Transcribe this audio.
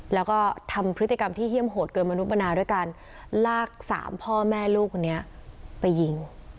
แล้วก็ทำพฤติกรรมที่เยี่ยมโหดเกินมนุปนาด้วยการลากสามพ่อแม่ลูกคนนี้ไปยิง